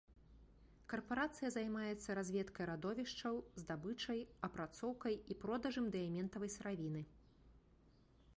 Карпарацыя займаецца разведкай радовішчаў, здабычай, апрацоўкай і продажам дыяментавай сыравіны.